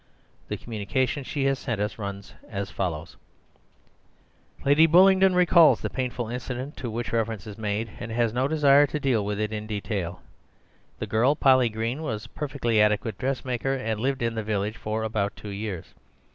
The communication she has sent to us runs as follows:— "Lady Bullingdon recalls the painful incident to which reference is made, and has no desire to deal with it in detail. The girl Polly Green was a perfectly adequate dressmaker, and lived in the village for about two years.